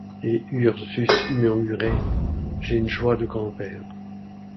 Et Ursus murmurait: — J’ai une joie de grand-père.